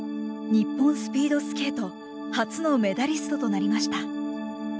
日本スピードスケート初のメダリストとなりました。